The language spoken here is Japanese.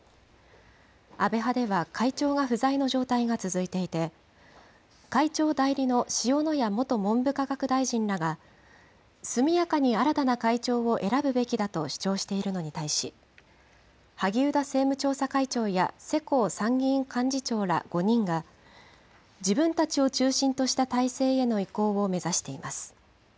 安倍派では会長が不在の状態が続いていて、会長代理の塩谷元文部科学大臣らが、速やかに新たな会長を選ぶべきだと主張しているのに対し、萩生田政務調査会長や世耕参議院幹事長ら５人が、自分たちを中心とした体制への移行を目指しています。